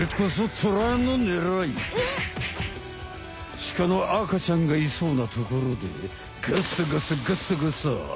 シカの赤ちゃんがいそうなところでガッサガサガッサガサ。